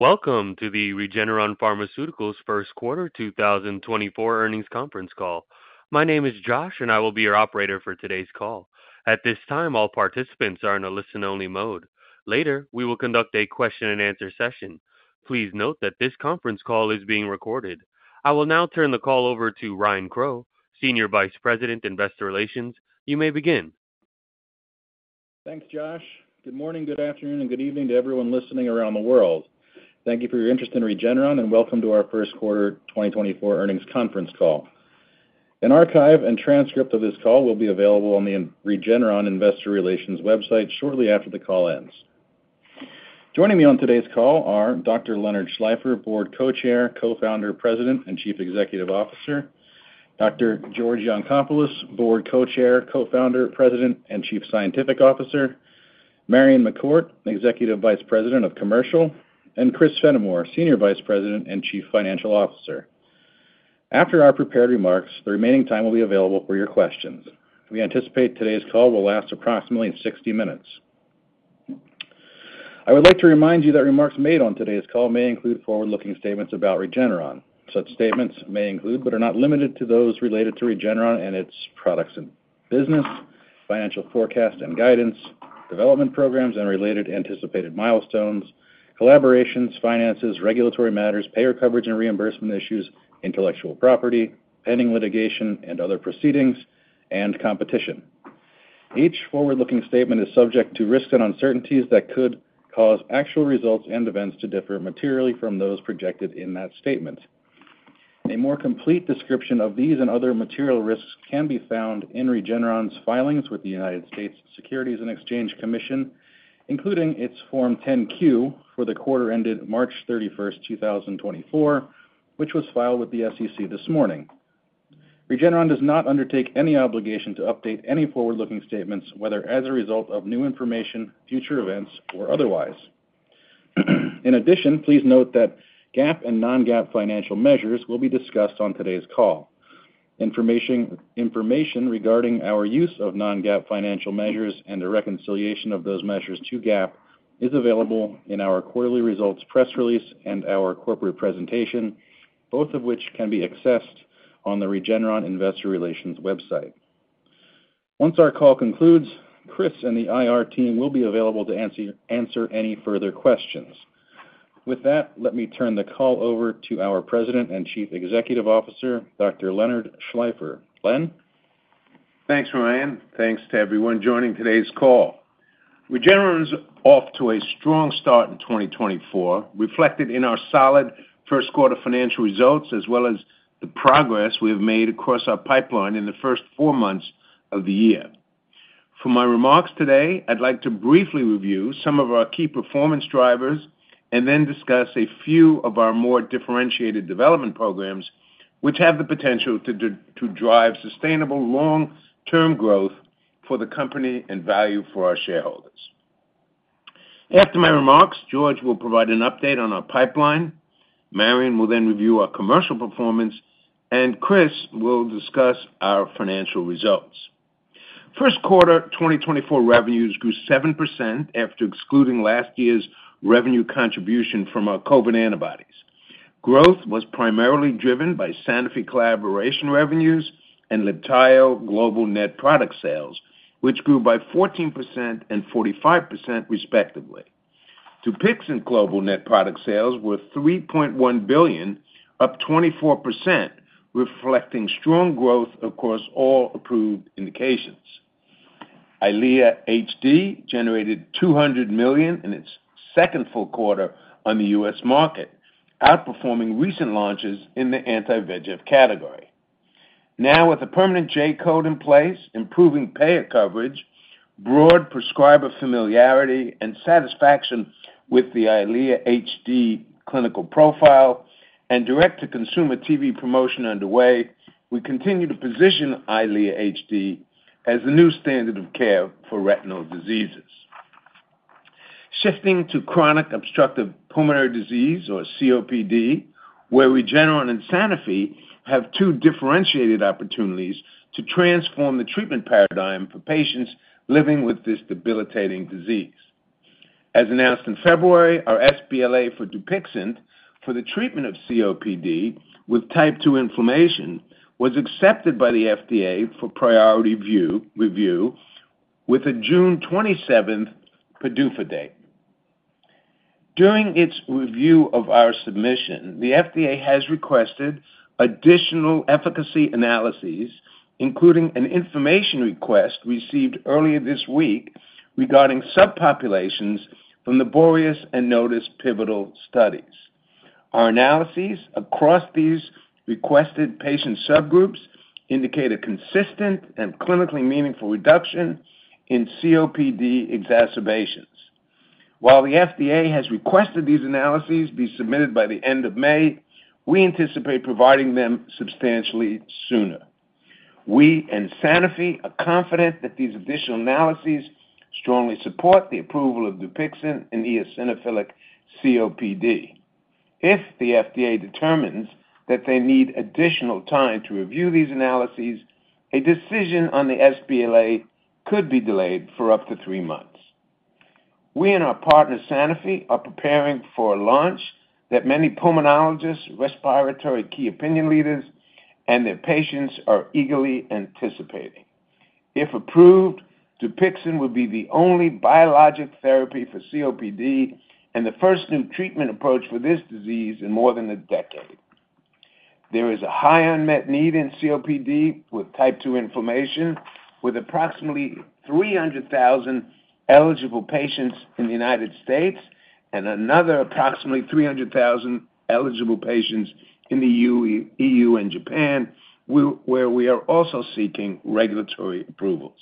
Welcome to the Regeneron Pharmaceuticals first quarter 2024 earnings conference call. My name is Josh, and I will be your operator for today's call. At this time, all participants are in a listen-only mode. Later, we will conduct a question-and-answer session. Please note that this conference call is being recorded. I will now turn the call over to Ryan Crowe, Senior Vice President, Investor Relations. You may begin. Thanks, Josh. Good morning, good afternoon, and good evening to everyone listening around the world. Thank you for your interest in Regeneron, and welcome to our first quarter 2024 earnings conference call. An archive and transcript of this call will be available on the Regeneron Investor Relations website shortly after the call ends. Joining me on today's call are Dr. Leonard Schleifer, Board Co-Chair, Co-Founder, President, and Chief Executive Officer, Dr. George Yancopoulos, Board Co-Chair, Co-Founder, President, and Chief Scientific Officer, Marion McCourt, Executive Vice President of Commercial, and Chris Fenimore, Senior Vice President and Chief Financial Officer. After our prepared remarks, the remaining time will be available for your questions. We anticipate today's call will last approximately 60 minutes. I would like to remind you that remarks made on today's call may include forward-looking statements about Regeneron. Such statements may include, but are not limited to, those related to Regeneron and its products and business, financial forecast and guidance, development programs and related anticipated milestones, collaborations, finances, regulatory matters, payer coverage and reimbursement issues, intellectual property, pending litigation and other proceedings, and competition. Each forward-looking statement is subject to risks and uncertainties that could cause actual results and events to differ materially from those projected in that statement. A more complete description of these and other material risks can be found in Regeneron's filings with the United States Securities and Exchange Commission, including its Form 10-Q for the quarter ended March 31st, 2024, which was filed with the SEC this morning. Regeneron does not undertake any obligation to update any forward-looking statements, whether as a result of new information, future events, or otherwise. In addition, please note that GAAP and non-GAAP financial measures will be discussed on today's call. Information regarding our use of non-GAAP financial measures and a reconciliation of those measures to GAAP is available in our quarterly results press release and our corporate presentation, both of which can be accessed on the Regeneron Investor Relations website. Once our call concludes, Chris and the IR team will be available to answer any further questions. With that, let me turn the call over to our President and Chief Executive Officer, Dr. Leonard Schleifer. Len? Thanks, Ryan. Thanks to everyone joining today's call. Regeneron's off to a strong start in 2024, reflected in our solid first quarter financial results, as well as the progress we have made across our pipeline in the first four months of the year. For my remarks today, I'd like to briefly review some of our key performance drivers and then discuss a few of our more differentiated development programs, which have the potential to drive sustainable long-term growth for the company and value for our shareholders. After my remarks, George will provide an update on our pipeline, Marion will then review our commercial performance, and Chris will discuss our financial results. First quarter 2024 revenues grew 7% after excluding last year's revenue contribution from our COVID antibodies. Growth was primarily driven by Sanofi collaboration revenues and Libtayo global net product sales, which grew by 14% and 45%, respectively. Dupixent global net product sales were $3.1 billion, up 24%, reflecting strong growth across all approved indications. EYLEA HD generated $200 million in its second full quarter on the U.S. market, outperforming recent launches in the anti-VEGF category. Now, with a permanent J-code in place, improving payer coverage, broad prescriber familiarity and satisfaction with the EYLEA HD clinical profile, and direct-to-consumer TV promotion underway, we continue to position EYLEA HD as the new standard of care for retinal diseases. Shifting to chronic obstructive pulmonary disease, or COPD, where Regeneron and Sanofi have two differentiated opportunities to transform the treatment paradigm for patients living with this debilitating disease. As announced in February, our sBLA for Dupixent for the treatment of COPD with type 2 inflammation was accepted by the FDA for priority review, with a June 27th PDUFA date. During its review of our submission, the FDA has requested additional efficacy analyses, including an information request received earlier this week regarding subpopulations from the BOREAS and NOTUS pivotal studies. Our analyses across these requested patient subgroups indicate a consistent and clinically meaningful reduction in COPD exacerbations. While the FDA has requested these analyses be submitted by the end of May, we anticipate providing them substantially sooner. We and Sanofi are confident that these additional analyses strongly support the approval of Dupixent in eosinophilic COPD. If the FDA determines that they need additional time to review these analyses, a decision on the sBLA could be delayed for up to three months. We and our partner, Sanofi, are preparing for a launch that many pulmonologists, respiratory key opinion leaders, and their patients are eagerly anticipating. If approved, Dupixent will be the only biologic therapy for COPD and the first new treatment approach for this disease in more than a decade. There is a high unmet need in COPD with type two inflammation, with approximately 300,000 eligible patients in the United States and another approximately 300,000 eligible patients in the EU, and Japan, where we are also seeking regulatory approvals.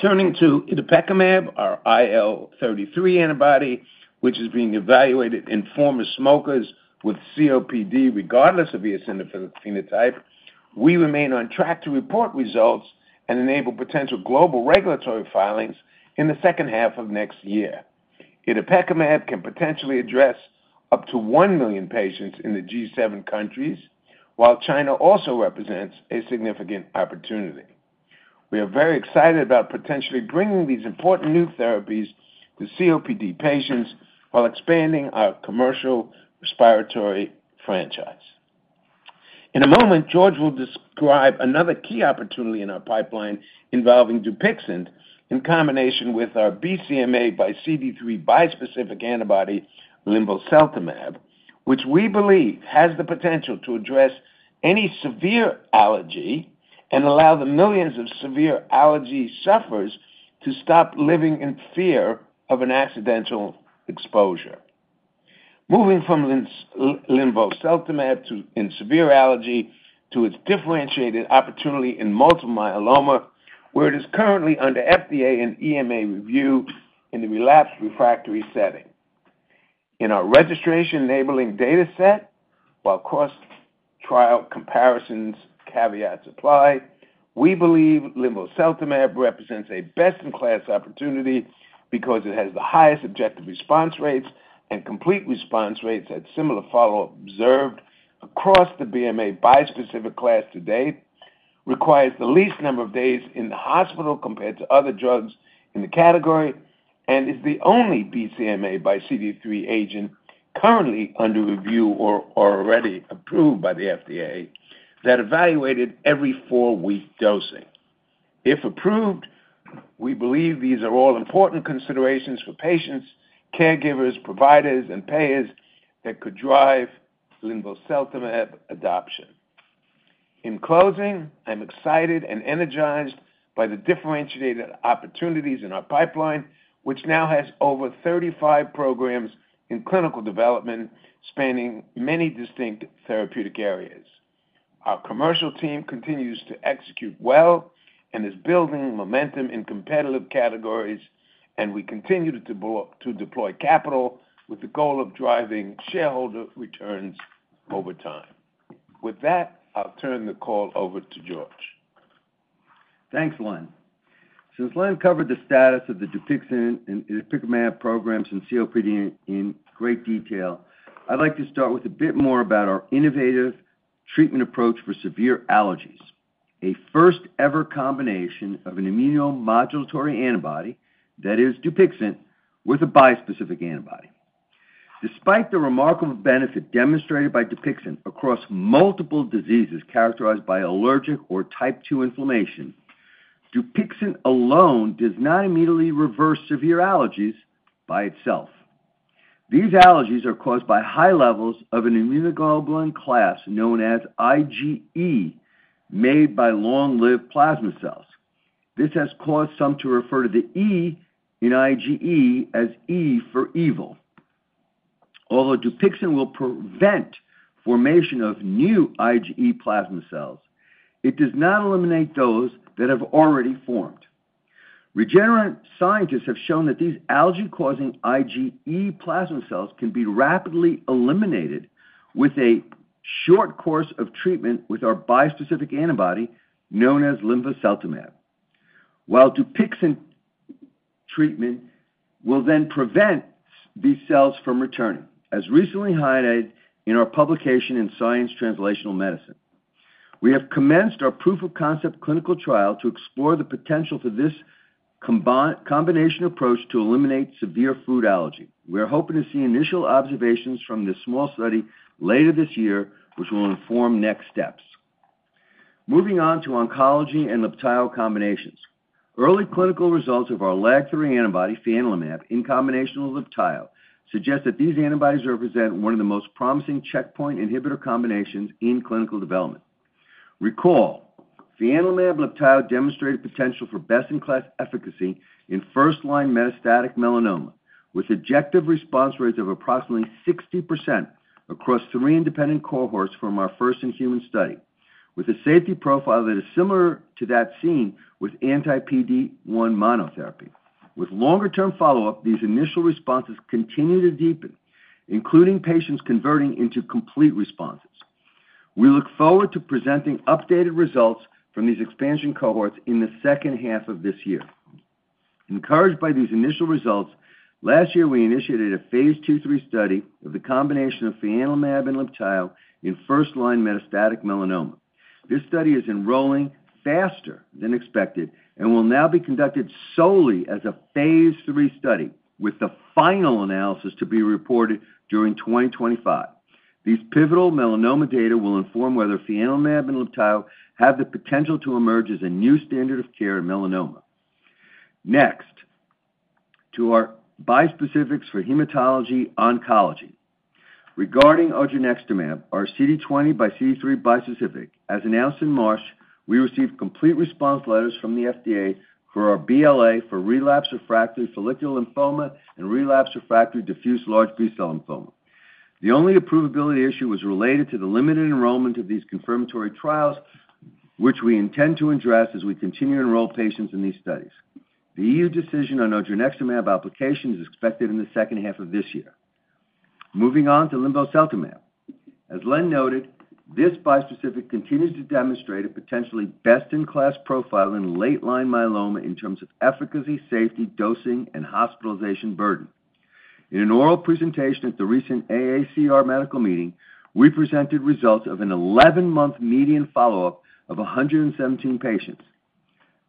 Turning to itepekimab, our IL-33 antibody, which is being evaluated in former smokers with COPD, regardless of the eosinophil phenotype, we remain on track to report results and enable potential global regulatory filings in the second half of next year. Itepekimab can potentially address up to 1 million patients in the G7 countries, while China also represents a significant opportunity. We are very excited about potentially bringing these important new therapies to COPD patients while expanding our commercial respiratory franchise. In a moment, George will describe another key opportunity in our pipeline involving Dupixent in combination with our BCMA by CD3 bispecific antibody, linvoseltamab, which we believe has the potential to address any severe allergy and allow the millions of severe allergy sufferers to stop living in fear of an accidental exposure. Moving from linvoseltamab in severe allergy to its differentiated opportunity in multiple myeloma, where it is currently under FDA and EMA review in the relapsed refractory setting. In our registration enabling data set, while cross-trial comparisons, caveats apply, we believe linvoseltamab represents a best-in-class opportunity because it has the highest objective response rates and complete response rates at similar follow-up observed across the BCMA bispecific class to date, requires the least number of days in the hospital compared to other drugs in the category, and is the only BCMA x CD3 agent currently under review or already approved by the FDA, that evaluated every four-week dosing. If approved, we believe these are all important considerations for patients, caregivers, providers, and payers that could drive linvoseltamab adoption. In closing, I'm excited and energized by the differentiated opportunities in our pipeline, which now has over 35 programs in clinical development, spanning many distinct therapeutic areas. Our commercial team continues to execute well and is building momentum in competitive categories, and we continue to deploy capital with the goal of driving shareholder returns over time. With that, I'll turn the call over to George. Thanks, Len. Since Len covered the status of the Dupixent and itepekimab programs in COPD in great detail, I'd like to start with a bit more about our innovative treatment approach for severe allergies, a first-ever combination of an immunomodulatory antibody, that is Dupixent, with a bispecific antibody. Despite the remarkable benefit demonstrated by Dupixent across multiple diseases characterized by allergic or type 2 inflammation, Dupixent alone does not immediately reverse severe allergies by itself. These allergies are caused by high levels of an immunoglobulin class known as IgE, made by long-lived plasma cells. This has caused some to refer to the E in IgE as E for evil. Although Dupixent will prevent formation of new IgE plasma cells, it does not eliminate those that have already formed. Regeneron scientists have shown that these allergy-causing IgE plasma cells can be rapidly eliminated with a short course of treatment with our bispecific antibody known as linvoseltamab, while Dupixent treatment will then prevent these cells from returning, as recently highlighted in our publication in Science Translational Medicine. We have commenced our proof-of-concept clinical trial to explore the potential for this combination approach to eliminate severe food allergy. We are hoping to see initial observations from this small study later this year, which will inform next steps. Moving on to oncology and Libtayo combinations. Early clinical results of our LAG-3 antibody, fianlimab, in combination with Libtayo, suggest that these antibodies represent one of the most promising checkpoint inhibitor combinations in clinical development. Recall, fianlimab-Libtayo demonstrated potential for best-in-class efficacy in first-line metastatic melanoma, with objective response rates of approximately 60% across three independent cohorts from our first-in-human study, with a safety profile that is similar to that seen with anti-PD-1 monotherapy. With longer-term follow-up, these initial responses continue to deepen, including patients converting into complete responses. We look forward to presenting updated results from these expansion cohorts in the second half of this year... Encouraged by these initial results, last year, we initiated a Phase 2/3 study of the combination of fianlimab and Libtayo in first-line metastatic melanoma. This study is enrolling faster than expected and will now be conducted solely as a Phase 3 study, with the final analysis to be reported during 2025. These pivotal melanoma data will inform whether fianlimab and Libtayo have the potential to emerge as a new standard of care in melanoma. Next, to our bispecifics for hematology-oncology. Regarding odronextamab, our CD20 by CD3 bispecific, as announced in March, we received complete response letters from the FDA for our BLA for relapse-refractory follicular lymphoma and relapse-refractory diffuse large B-cell lymphoma. The only approvability issue was related to the limited enrollment of these confirmatory trials, which we intend to address as we continue to enroll patients in these studies. The EU decision on odronextamab application is expected in the second half of this year. Moving on to linvoseltamab. As Len noted, this bispecific continues to demonstrate a potentially best-in-class profile in late-line myeloma in terms of efficacy, safety, dosing, and hospitalization burden. In an oral presentation at the recent AACR medical meeting, we presented results of an 11-month median follow-up of 117 patients.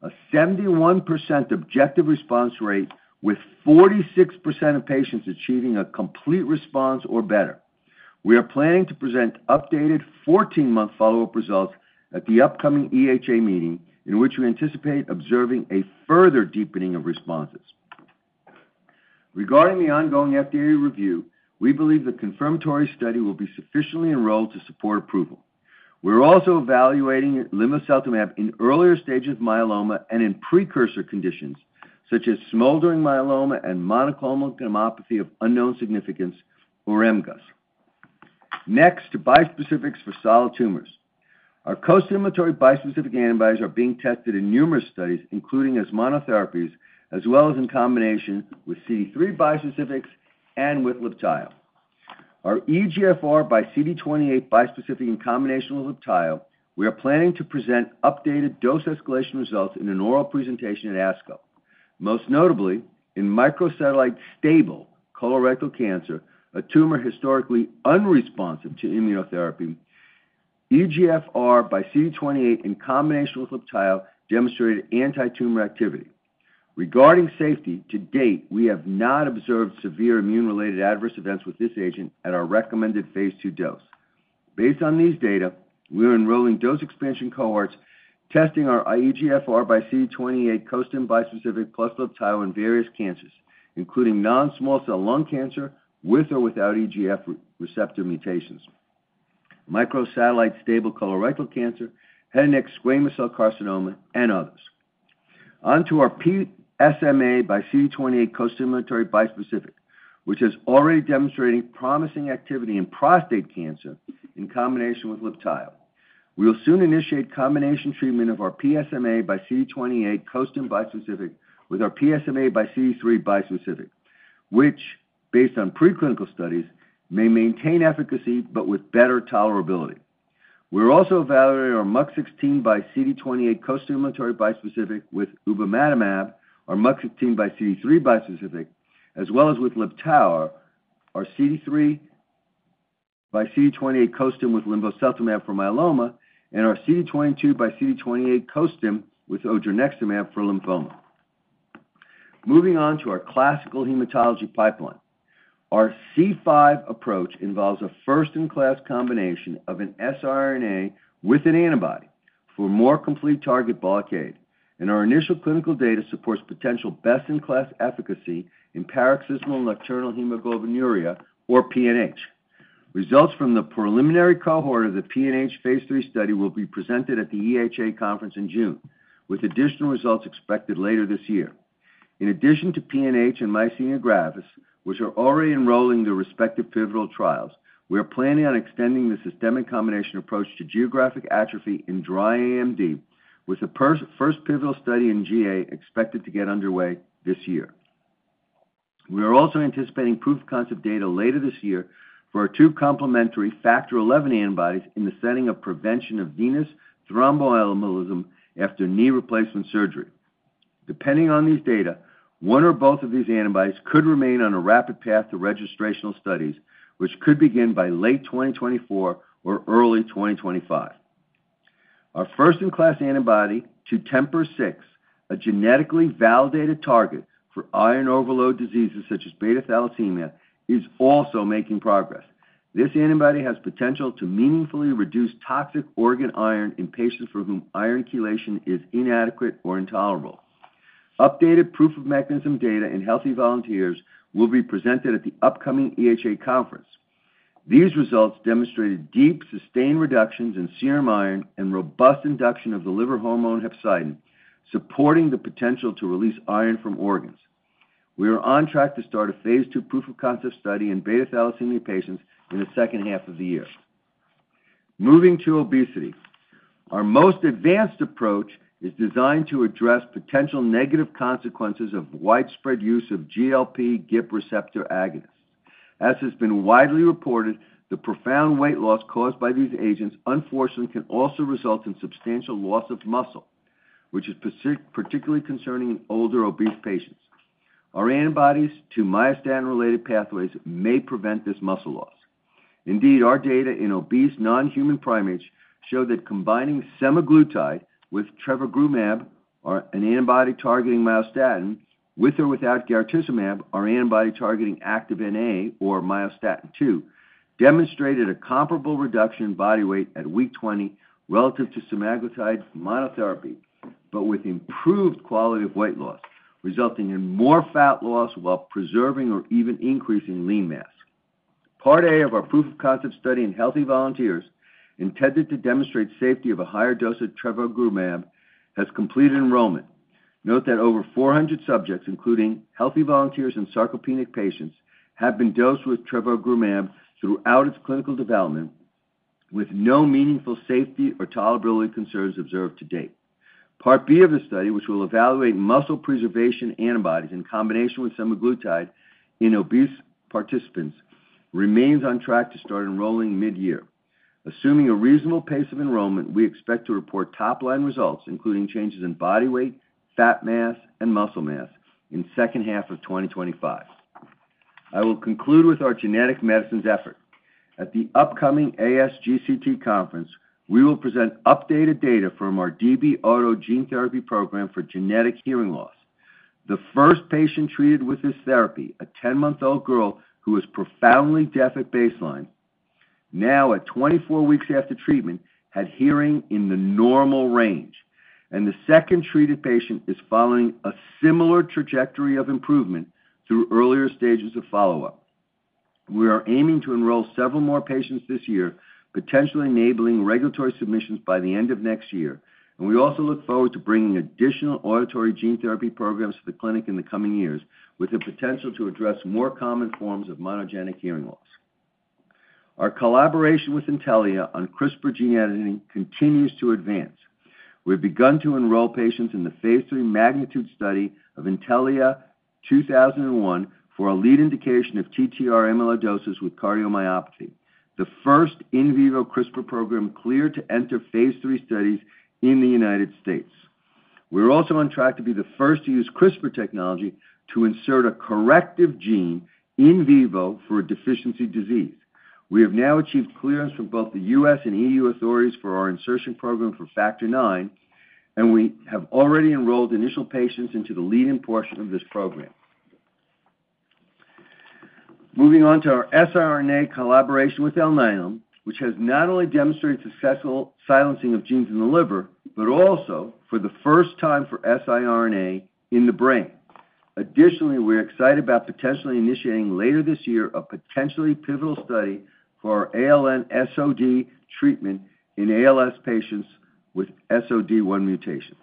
A 71% objective response rate, with 46% of patients achieving a complete response or better. We are planning to present updated 14-month follow-up results at the upcoming EHA meeting, in which we anticipate observing a further deepening of responses. Regarding the ongoing FDA review, we believe the confirmatory study will be sufficiently enrolled to support approval. We're also evaluating linvoseltamab in earlier stages of myeloma and in precursor conditions, such as smoldering myeloma and monoclonal gammopathy of unknown significance or MGUS. Next, to bispecifics for solid tumors. Our costimulatory bispecific antibodies are being tested in numerous studies, including as monotherapies, as well as in combination with CD3 bispecifics and with Libtayo. Our EGFR-CD28 bispecific in combination with Libtayo, we are planning to present updated dose escalation results in an oral presentation at ASCO. Most notably, in microsatellite stable colorectal cancer, a tumor historically unresponsive to immunotherapy, EGFR-CD28 in combination with Libtayo demonstrated antitumor activity. Regarding safety, to date, we have not observed severe immune-related adverse events with this agent at our recommended Phase 2 dose. Based on these data, we are enrolling dose expansion cohorts, testing our EGFR by CD28 costim bispecific plus Libtayo in various cancers, including non-small cell lung cancer, with or without EGF receptor mutations, microsatellite stable colorectal cancer, head and neck squamous cell carcinoma, and others. Onto our PSMA by CD28 costimulatory bispecific, which is already demonstrating promising activity in prostate cancer in combination with Libtayo. We will soon initiate combination treatment of our PSMA by CD28 costim bispecific with our PSMA by CD3 bispecific, which, based on preclinical studies, may maintain efficacy, but with better tolerability. We're also evaluating our MUC16 by CD28 costimulatory bispecific with ubamatamab, our MUC16 by CD3 bispecific, as well as with Libtayo, our CD3 by CD28 costim with linvoseltamab for myeloma, and our CD22 by CD28 costim with odronextamab for lymphoma. Moving on to our classical hematology pipeline. Our C5 approach involves a first-in-class combination of an siRNA with an antibody for more complete target blockade, and our initial clinical data supports potential best-in-class efficacy in paroxysmal nocturnal hemoglobinuria, or PNH. Results from the preliminary cohort of the PNH Phase 3 study will be presented at the EHA conference in June, with additional results expected later this year. In addition to PNH and myasthenia gravis, which are already enrolling their respective pivotal trials, we are planning on extending the systemic combination approach to geographic atrophy in dry AMD, with the first pivotal study in GA expected to get underway this year. We are also anticipating proof-of-concept data later this year for our two complementary Factor XI antibodies in the setting of prevention of venous thromboembolism after knee replacement surgery. Depending on these data, one or both of these antibodies could remain on a rapid path to registrational studies, which could begin by late 2024 or early 2025. Our first-in-class antibody to TMPRSS6, a genetically validated target for iron overload diseases such as beta thalassemia, is also making progress. This antibody has potential to meaningfully reduce toxic organ iron in patients for whom iron chelation is inadequate or intolerable. Updated proof of mechanism data in healthy volunteers will be presented at the upcoming EHA conference. These results demonstrated deep, sustained reductions in serum iron and robust induction of the liver hormone hepcidin, supporting the potential to release iron from organs. We are on track to start a Phase 2 proof-of-concept study in beta thalassemia patients in the second half of the year. Moving to obesity. Our most advanced approach is designed to address potential negative consequences of widespread use of GLP-GIP receptor agonists, as has been widely reported, the profound weight loss caused by these agents, unfortunately, can also result in substantial loss of muscle, which is particularly concerning in older obese patients. Our antibodies to myostatin-related pathways may prevent this muscle loss. Indeed, our data in obese non-human primates show that combining semaglutide with trevogrumab, or an antibody targeting myostatin, with or without garetosmab, our antibody targeting Activin A or myostatin-II, demonstrated a comparable reduction in body weight at week 20 relative to semaglutide monotherapy, but with improved quality of weight loss, resulting in more fat loss while preserving or even increasing lean mass. Part A of our proof-of-concept study in healthy volunteers, intended to demonstrate safety of a higher dose of trevogrumab, has completed enrollment. Note that over 400 subjects, including healthy volunteers and sarcopenic patients, have been dosed with trevogrumab throughout its clinical development, with no meaningful safety or tolerability concerns observed to date. Part B of the study, which will evaluate muscle preservation antibodies in combination with semaglutide in obese participants, remains on track to start enrolling mid-year. Assuming a reasonable pace of enrollment, we expect to report top-line results, including changes in body weight, fat mass, and muscle mass, in the second half of 2025. I will conclude with our genetic medicines effort. At the upcoming ASGCT conference, we will present updated data from our DB-OTO gene therapy program for genetic hearing loss. The first patient treated with this therapy, a 10-month-old girl who was profoundly deaf at baseline, now at 24 weeks after treatment, had hearing in the normal range, and the second treated patient is following a similar trajectory of improvement through earlier stages of follow-up. We are aiming to enroll several more patients this year, potentially enabling regulatory submissions by the end of next year, and we also look forward to bringing additional auditory gene therapy programs to the clinic in the coming years, with the potential to address more common forms of monogenic hearing loss. Our collaboration with Intellia on CRISPR gene editing continues to advance. We've begun to enroll patients in the phase III MAGNITUDE study of NTLA-2001 for a lead indication of TTR amyloidosis with cardiomyopathy, the first in vivo CRISPR program cleared to enter phase III studies in the United States. We're also on track to be the first to use CRISPR technology to insert a corrective gene in vivo for a deficiency disease. We have now achieved clearance from both the U.S. and EU authorities for our insertion program for Factor IX, and we have already enrolled initial patients into the lead-in portion of this program. Moving on to our siRNA collaboration with Alnylam, which has not only demonstrated successful silencing of genes in the liver, but also, for the first time for siRNA, in the brain. Additionally, we're excited about potentially initiating later this year a potentially pivotal study for our ALN-SOD treatment in ALS patients with SOD1 mutations.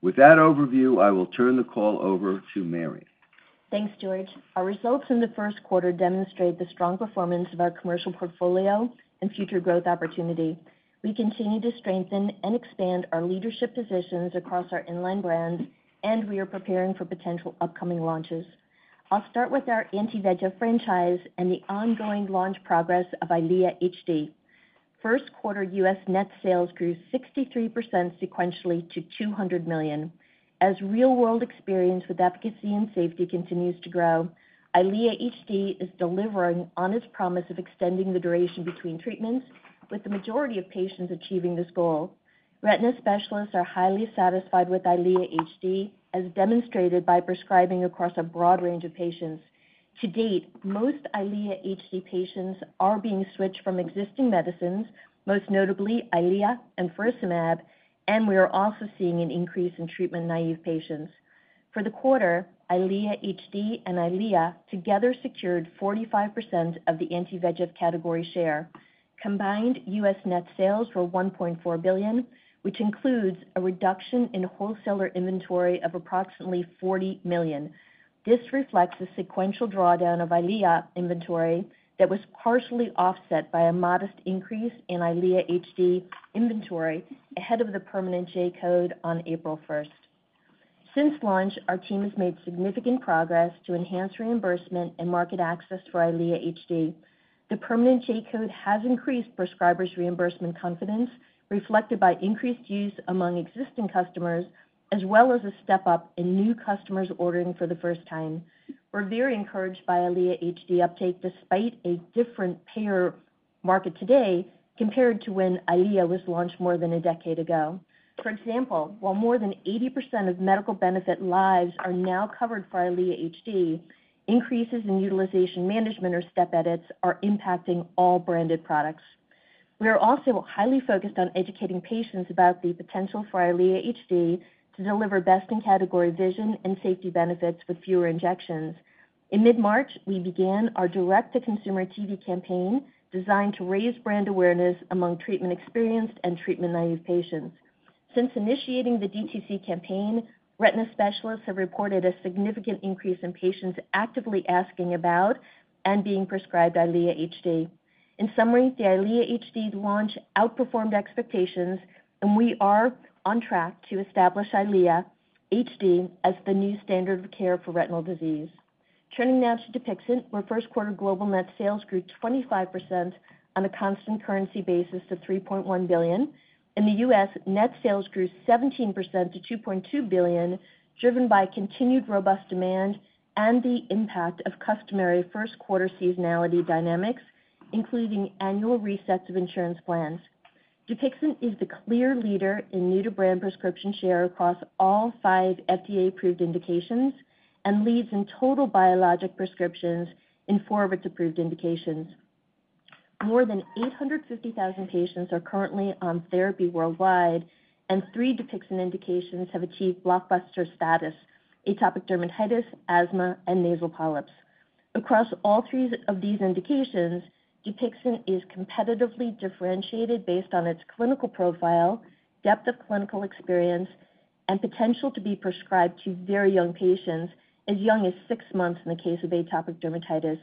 With that overview, I will turn the call over to Marion. Thanks, George. Our results in the first quarter demonstrate the strong performance of our commercial portfolio and future growth opportunity. We continue to strengthen and expand our leadership positions across our in-line brands, and we are preparing for potential upcoming launches. I'll start with our Anti-VEGF franchise and the ongoing launch progress of EYLEA HD. First quarter U.S. net sales grew 63% sequentially to $200 million. As real-world experience with efficacy and safety continues to grow, EYLEA HD is delivering on its promise of extending the duration between treatments, with the majority of patients achieving this goal. Retina specialists are highly satisfied with EYLEA HD, as demonstrated by prescribing across a broad range of patients. To date, most EYLEA HD patients are being switched from existing medicines, most notably EYLEA and Lucentis, and we are also seeing an increase in treatment-naive patients. For the quarter, EYLEA HD and EYLEA together secured 45% of the anti-VEGF category share. Combined U.S. net sales were $1.4 billion, which includes a reduction in wholesaler inventory of approximately $40 million. This reflects a sequential drawdown of EYLEA inventory that was partially offset by a modest increase in EYLEA HD inventory ahead of the permanent J-code on April 1st. Since launch, our team has made significant progress to enhance reimbursement and market access for EYLEA HD. The permanent J-code has increased prescribers' reimbursement confidence, reflected by increased use among existing customers, as well as a step-up in new customers ordering for the first time. We're very encouraged by EYLEA HD uptake, despite a different payer market today compared to when EYLEA was launched more than a decade ago. For example, while more than 80% of medical benefit lives are now covered for EYLEA HD, increases in utilization management or step edits are impacting all branded products. We are also highly focused on educating patients about the potential for EYLEA HD to deliver best-in-category vision and safety benefits with fewer injections. In mid-March, we began our direct-to-consumer TV campaign designed to raise brand awareness among treatment-experienced and treatment-naive patients. Since initiating the DTC campaign, retina specialists have reported a significant increase in patients actively asking about and being prescribed EYLEA HD. In summary, the EYLEA HD launch outperformed expectations, and we are on track to establish EYLEA HD as the new standard of care for retinal disease. Turning now to Dupixent, where first quarter global net sales grew 25% on a constant currency basis to $3.1 billion. In the US, net sales grew 17% to $2.2 billion, driven by continued robust demand and the impact of customary first quarter seasonality dynamics, including annual resets of insurance plans. Dupixent is the clear leader in new-to-brand prescription share across all five FDA-approved indications and leads in total biologic prescriptions in four with approved indications. More than 850,000 patients are currently on therapy worldwide, and three Dupixent indications have achieved blockbuster status: atopic dermatitis, asthma, and nasal polyps. Across all three of these indications, Dupixent is competitively differentiated based on its clinical profile, depth of clinical experience, and potential to be prescribed to very young patients, as young as six months in the case of atopic dermatitis.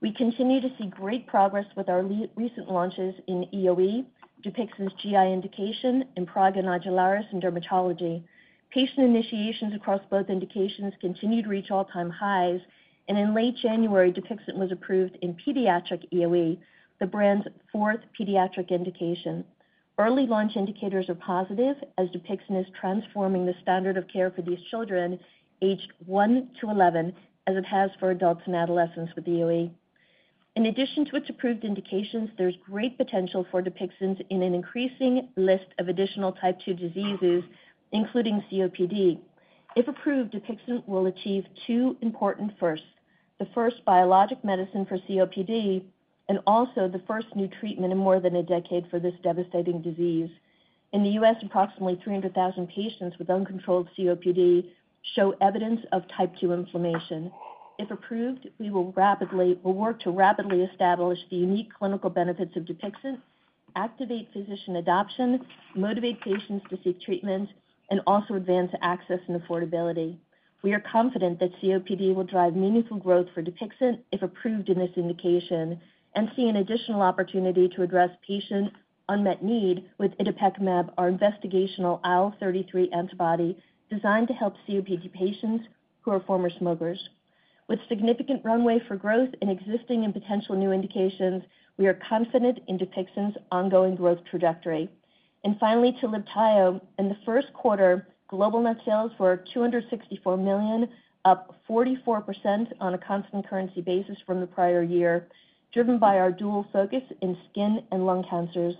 We continue to see great progress with our recent launches in EoE, Dupixent's GI indication, and prurigo nodularis in dermatology. Patient initiations across both indications continued to reach all-time highs, and in late January, Dupixent was approved in pediatric EoE, the brand's fourth pediatric indication. Early launch indicators are positive, as Dupixent is transforming the standard of care for these children aged 1 to 11, as it has for adults and adolescents with EoE. In addition to its approved indications, there's great potential for Dupixent in an increasing list of additional type 2 diseases, including COPD. If approved, Dupixent will achieve two important firsts: the first biologic medicine for COPD and also the first new treatment in more than a decade for this devastating disease. In the U.S., approximately 300,000 patients with uncontrolled COPD show evidence of type 2 inflammation. If approved, we'll work to rapidly establish the unique clinical benefits of Dupixent, activate physician adoption, motivate patients to seek treatment, and also advance access and affordability. We are confident that COPD will drive meaningful growth for Dupixent if approved in this indication, and see an additional opportunity to address patient unmet need with itepekimab, our investigational IL-33 antibody designed to help COPD patients who are former smokers. With significant runway for growth in existing and potential new indications, we are confident in Dupixent's ongoing growth trajectory. And finally, to Libtayo. In the first quarter, global net sales were $264 million, up 44% on a constant currency basis from the prior year, driven by our dual focus in skin and lung cancers.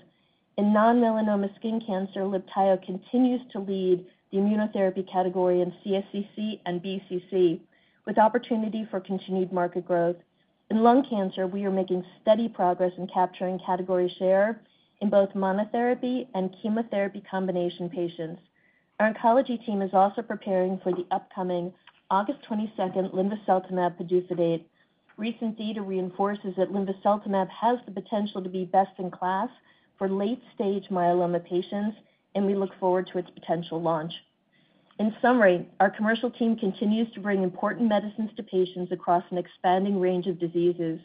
In non-melanoma skin cancer, Libtayo continues to lead the immunotherapy category in CSCC and BCC, with opportunity for continued market growth. In lung cancer, we are making steady progress in capturing category share in both monotherapy and chemotherapy combination patients. Our oncology team is also preparing for the upcoming August 22 linvoseltamab PDUFA date. Recent data reinforces that linvoseltamab has the potential to be best-in-class for late-stage myeloma patients, and we look forward to its potential launch. In summary, our commercial team continues to bring important medicines to patients across an expanding range of diseases.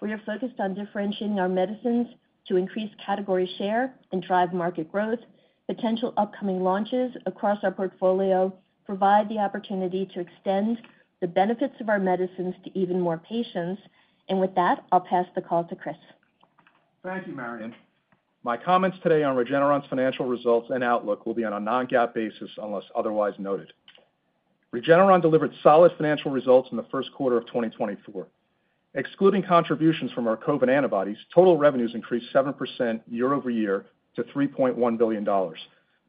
We are focused on differentiating our medicines to increase category share and drive market growth. Potential upcoming launches across our portfolio provide the opportunity to extend the benefits of our medicines to even more patients. And with that, I'll pass the call to Chris. Thank you, Marion. My comments today on Regeneron's financial results and outlook will be on a non-GAAP basis, unless otherwise noted. Regeneron delivered solid financial results in the first quarter of 2024. Excluding contributions from our COVID antibodies, total revenues increased 7% year-over-year to $3.1 billion,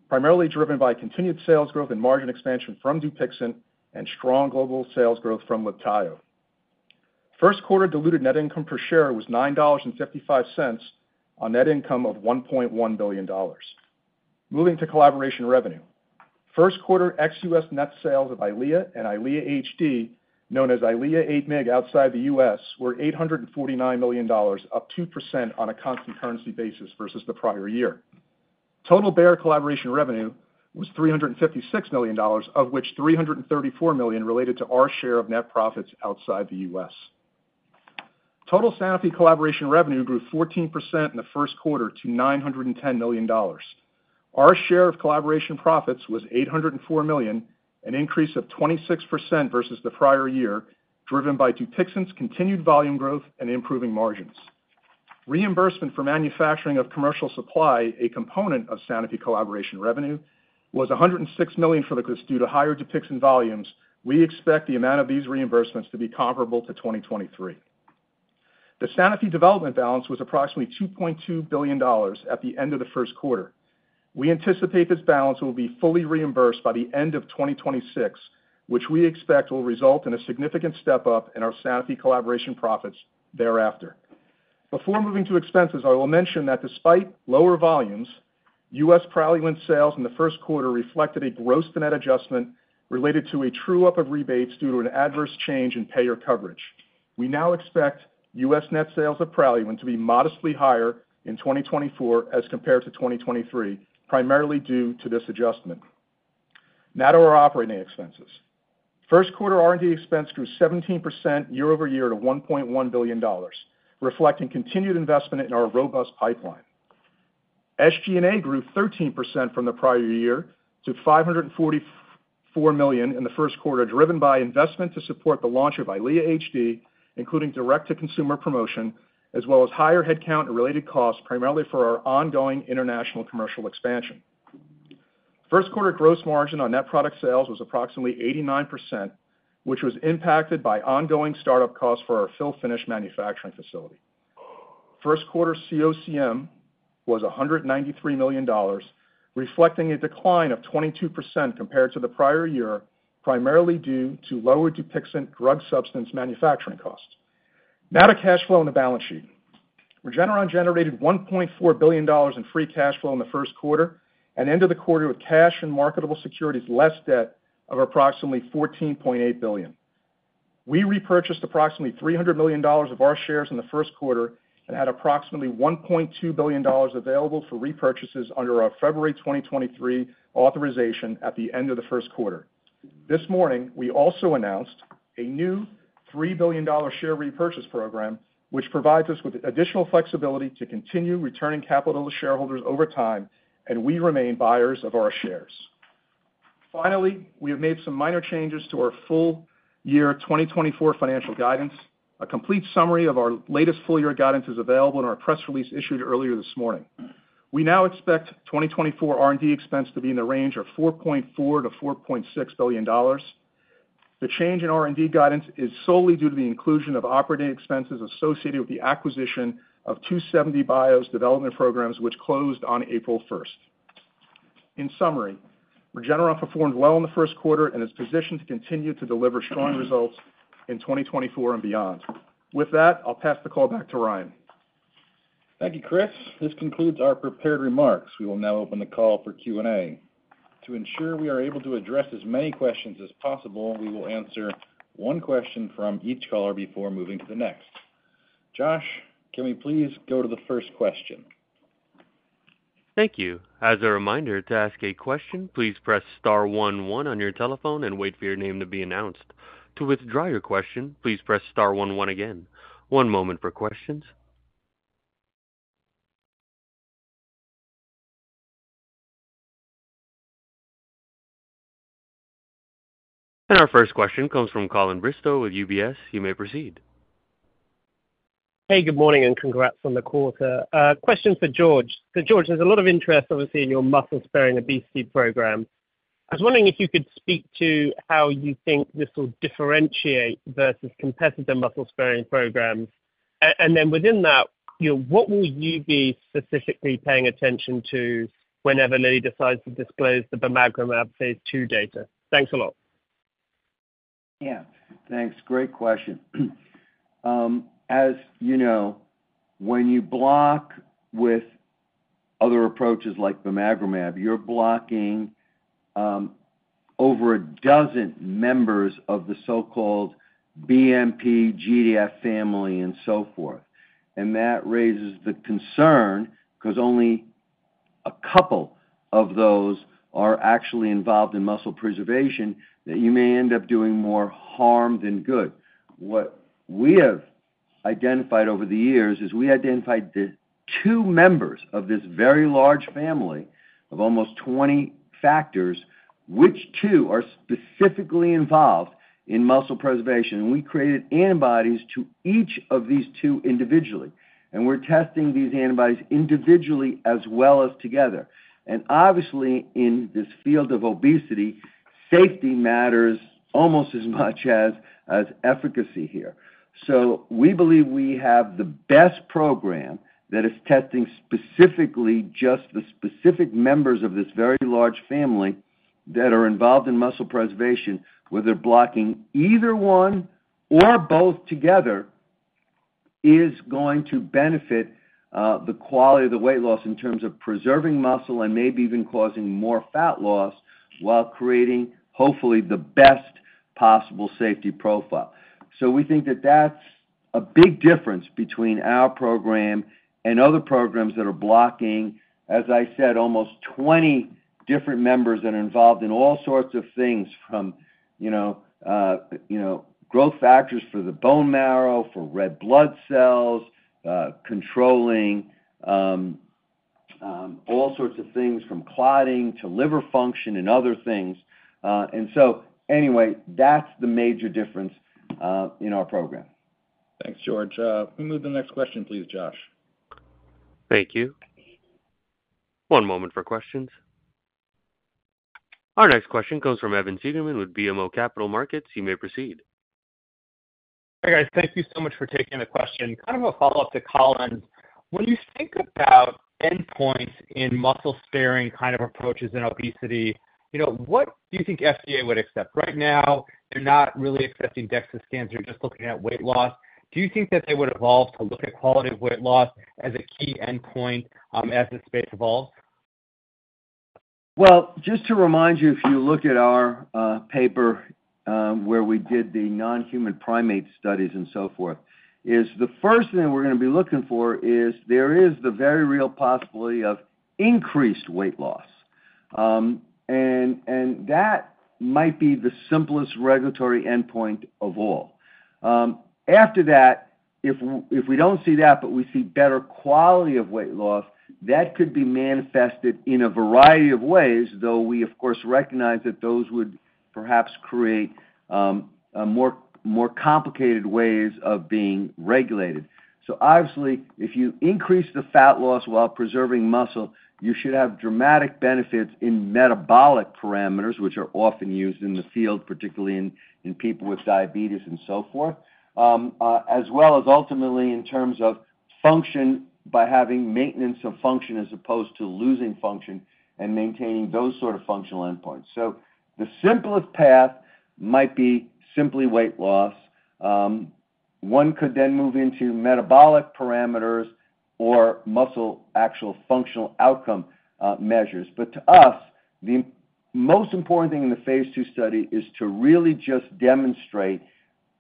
primarily driven by continued sales growth and margin expansion from Dupixent and strong global sales growth from Libtayo. First quarter diluted net income per share was $9.55 on net income of $1.1 billion. Moving to collaboration revenue. First quarter ex-U.S. net sales of EYLEA and EYLEA HD, known as EYLEA 8 mg outside the U.S., were $849 million, up 2% on a constant currency basis versus the prior year. Total Bayer collaboration revenue was $356 million, of which $334 million related to our share of net profits outside the U.S. Total Sanofi collaboration revenue grew 14% in the first quarter to $910 million. Our share of collaboration profits was $804 million, an increase of 26% versus the prior year, driven by Dupixent's continued volume growth and improving margins. Reimbursement for manufacturing of commercial supply, a component of Sanofi collaboration revenue, was $106 million. Due to higher Dupixent volumes, we expect the amount of these reimbursements to be comparable to 2023. The Sanofi development balance was approximately $2.2 billion at the end of the first quarter. We anticipate this balance will be fully reimbursed by the end of 2026, which we expect will result in a significant step-up in our Sanofi collaboration profits thereafter. Before moving to expenses, I will mention that despite lower volumes, U.S. Praluent sales in the first quarter reflected a gross to net adjustment related to a true-up of rebates due to an adverse change in payer coverage. We now expect U.S. net sales of Praluent to be modestly higher in 2024 as compared to 2023, primarily due to this adjustment.... Now to our operating expenses. First quarter R&D expense grew 17% year-over-year to $1.1 billion, reflecting continued investment in our robust pipeline. SG&A grew 13% from the prior year to $544 million in the first quarter, driven by investment to support the launch of EYLEA HD, including direct-to-consumer promotion, as well as higher headcount and related costs, primarily for our ongoing international commercial expansion. First quarter gross margin on net product sales was approximately 89%, which was impacted by ongoing startup costs for our fill-finish manufacturing facility. First quarter COCM was $193 million, reflecting a decline of 22% compared to the prior year, primarily due to lower Dupixent drug substance manufacturing costs. Now to cash flow on the balance sheet. Regeneron generated $1.4 billion in free cash flow in the first quarter and ended the quarter with cash and marketable securities less debt of approximately $14.8 billion. We repurchased approximately $300 million of our shares in the first quarter and had approximately $1.2 billion available for repurchases under our February 2023 authorization at the end of the first quarter. This morning, we also announced a new $3 billion share repurchase program, which provides us with additional flexibility to continue returning capital to shareholders over time, and we remain buyers of our shares. Finally, we have made some minor changes to our full-year 2024 financial guidance. A complete summary of our latest full-year guidance is available in our press release issued earlier this morning. We now expect 2024 R&D expense to be in the range of $4.4 billion-$4.6 billion. The change in R&D guidance is solely due to the inclusion of operating expenses associated with the acquisition of 2seventy bio's development programs, which closed on April first. In summary, Regeneron performed well in the first quarter and is positioned to continue to deliver strong results in 2024 and beyond. With that, I'll pass the call back to Ryan. Thank you, Chris. This concludes our prepared remarks. We will now open the call for Q&A. To ensure we are able to address as many questions as possible, we will answer one question from each caller before moving to the next. Josh, can we please go to the first question? Thank you. As a reminder, to ask a question, please press star one one on your telephone and wait for your name to be announced. To withdraw your question, please press star one one again. One moment for questions. Our first question comes from Colin Bristow with UBS. You may proceed. Hey, good morning, and congrats on the quarter. Question for George. So George, there's a lot of interest, obviously, in your muscle-sparing obesity program. I was wondering if you could speak to how you think this will differentiate versus competitive muscle-sparing programs. And then within that, you know, what will you be specifically paying attention to whenever Lilly decides to disclose the bimagrumab phase two data? Thanks a lot. Yeah, thanks. Great question. As you know, when you block with other approaches like bimagrumab, you're blocking over a dozen members of the so-called BMP, GDF family, and so forth. And that raises the concern, 'cause only a couple of those are actually involved in muscle preservation, that you may end up doing more harm than good. What we have identified over the years is, we identified the two members of this very large family of almost 20 factors, which two are specifically involved in muscle preservation. We created antibodies to each of these two individually, and we're testing these antibodies individually as well as together. And obviously, in this field of obesity, safety matters almost as much as, as efficacy here. So we believe we have the best program that is testing specifically just the specific members of this very large family that are involved in muscle preservation, where they're blocking either one or both together, is going to benefit the quality of the weight loss in terms of preserving muscle and maybe even causing more fat loss, while creating, hopefully, the best possible safety profile. So we think that that's a big difference between our program and other programs that are blocking, as I said, almost 20 different members that are involved in all sorts of things, from, you know, you know, growth factors for the bone marrow, for red blood cells, controlling all sorts of things, from clotting to liver function and other things. And so anyway, that's the major difference in our program. Thanks, George. Can we move to the next question, please, Josh? Thank you. One moment for questions. Our next question comes from Evan Seigerman with BMO Capital Markets. You may proceed. Hey, guys. Thank you so much for taking the question. Kind of a follow-up to Colin. When you think about endpoints in muscle-sparing kind of approaches in obesity, you know, what do you think FDA would accept? Right now, they're not really accepting DEXA scans. They're just looking at weight loss. Do you think that they would evolve to look at quality of weight loss as a key endpoint, as the space evolves? Well, just to remind you, if you look at our. paper, where we did the non-human primate studies and so forth, is the first thing we're gonna be looking for is there is the very real possibility of increased weight loss. And that might be the simplest regulatory endpoint of all. After that, if we don't see that, but we see better quality of weight loss, that could be manifested in a variety of ways, though we of course recognize that those would perhaps create a more complicated ways of being regulated. So obviously, if you increase the fat loss while preserving muscle, you should have dramatic benefits in metabolic parameters, which are often used in the field, particularly in people with diabetes and so forth. As well as ultimately in terms of function, by having maintenance of function as opposed to losing function and maintaining those sort of functional endpoints. So the simplest path might be simply weight loss. One could then move into metabolic parameters or muscle actual functional outcome measures. But to us, the most important thing in the Phase 2 study is to really just demonstrate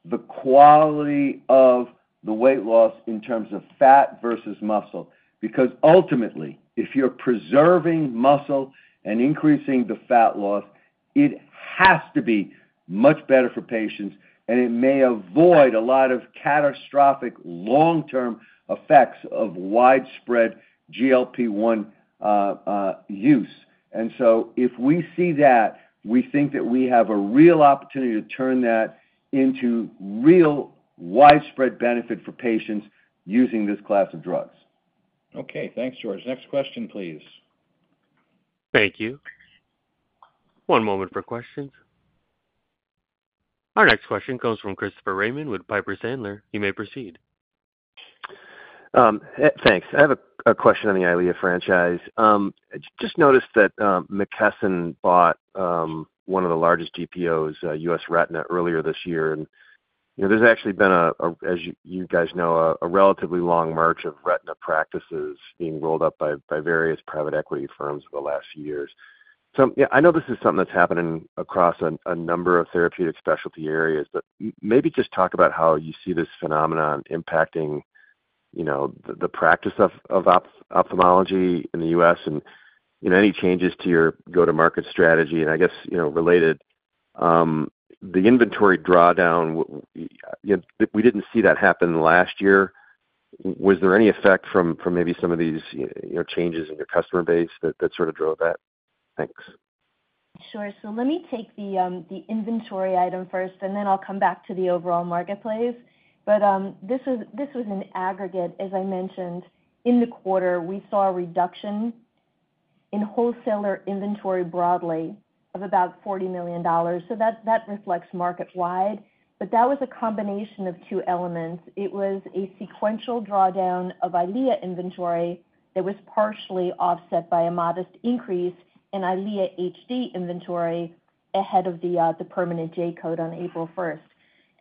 the quality of the weight loss in terms of fat versus muscle, because ultimately, if you're preserving muscle and increasing the fat loss, it has to be much better for patients, and it may avoid a lot of catastrophic long-term effects of widespread GLP-1 use. And so if we see that, we think that we have a real opportunity to turn that into real widespread benefit for patients using this class of drugs. Okay, thanks, George. Next question, please. Thank you. One moment for questions. Our next question comes from Christopher Raymond with Piper Sandler. You may proceed. Thanks. I have a question on the EYLEA franchise. I just noticed that McKesson bought one of the largest GPOs, USRetina earlier this year. And, you know, there's actually been a, as you guys know, a relatively long march of retina practices being rolled up by various private equity firms over the last few years. So, yeah, I know this is something that s happening across a number of therapeutic specialty areas, but maybe just talk about how you see this phenomenon impacting, you know, the practice of ophthalmology in the U.S. and, you know, any changes to your go-to-market strategy? And I guess, you know, related, the inventory drawdown, you know, we didn't see that happen last year. Was there any effect from, from maybe some of these, you know, changes in your customer base that, that sort of drove that? Thanks. Sure. So let me take the inventory item first, and then I'll come back to the overall marketplace. But this was an aggregate, as I mentioned, in the quarter, we saw a reduction in wholesaler inventory broadly of about $40 million. So that reflects market wide. But that was a combination of two elements. It was a sequential drawdown of EYLEA inventory that was partially offset by a modest increase in EYLEA HD inventory ahead of the permanent J-code on April 1st.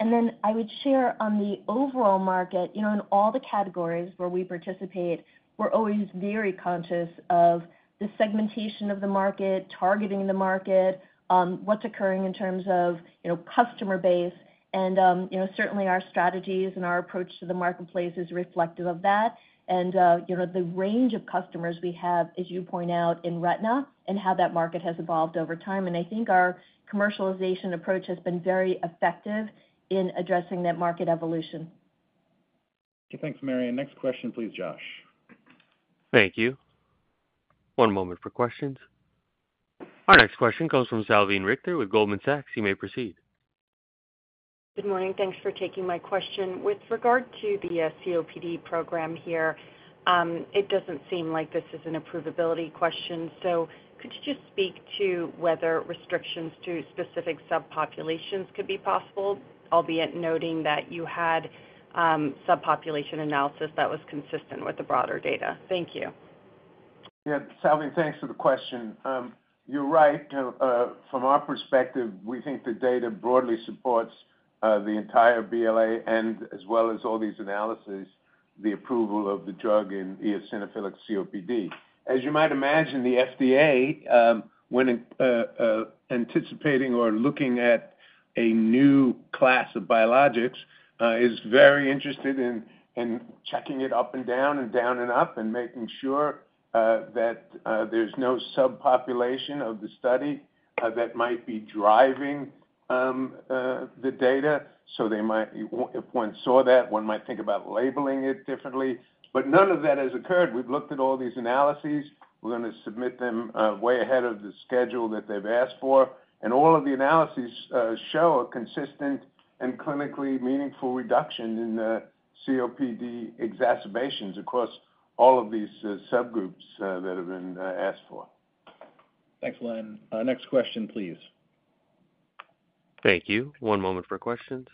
And then I would share on the overall market, you know, in all the categories where we participate, we're always very conscious of the segmentation of the market, targeting the market, what's occurring in terms of, you know, customer base, and, you know, certainly our strategies and our approach to the marketplace is reflective of that. You know, the range of customers we have, as you point out, in Retina and how that market has evolved over time. I think our commercialization approach has been very effective in addressing that market evolution. Okay, thanks, Mary. Next question, please, Josh. Thank you. One moment for questions. Our next question comes from Salveen Richter with Goldman Sachs. You may proceed. Good morning. Thanks for taking my question. With regard to the COPD program here, it doesn't seem like this is an approvability question. So could you just speak to whether restrictions to specific subpopulations could be possible, albeit noting that you had subpopulation analysis that was consistent with the broader data? Thank you. Yeah, Salveen, thanks for the question. You're right. From our perspective, we think the data broadly supports the entire BLA, and as well as all these analyses, the approval of the drug in eosinophilic COPD. As you might imagine, the FDA, when anticipating or looking at a new class of biologics, is very interested in checking it up and down and down and up, and making sure that there's no subpopulation of the study that might be driving the data. So they might if one saw that, one might think about labeling it differently, but none of that has occurred. We've looked at all these analyses. We're gonna submit them way ahead of the schedule that they've asked for, and all of the analyses show a consistent and clinically meaningful reduction in the COPD exacerbations across all of these subgroups that have been asked for. Thanks, Len. Next question, please. Thank you. One moment for questions.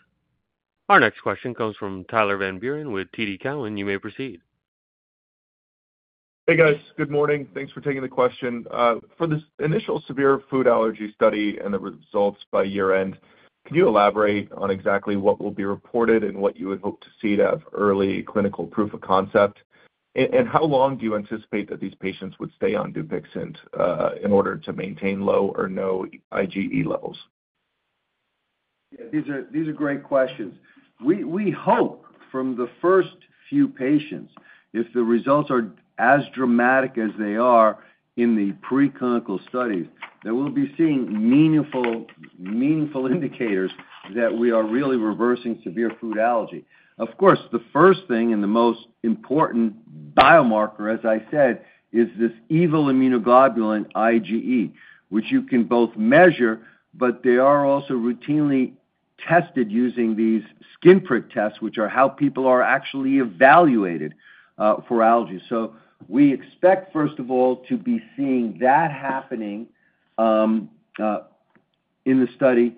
Our next question comes from Tyler Van Buren with TD Cowen. You may proceed. Hey, guys. Good morning. Thanks for taking the question. For this initial severe food allergy study and the results by year-end-Can you elaborate on exactly what will be reported and what you would hope to see to have early clinical proof of concept? And how long do you anticipate that these patients would stay on Dupixent in order to maintain low or no IgE levels? Yeah, these are, these are great questions. We, we hope from the first few patients, if the results are as dramatic as they are in the preclinical studies, that we'll be seeing meaningful, meaningful indicators that we are really reversing severe food allergy. Of course, the first thing and the most important biomarker, as I said, is this specific immunoglobulin IgE, which you can both measure, but they are also routinely tested using these skin prick tests, which are how people are actually evaluated for allergies. So we expect, first of all, to be seeing that happening in the study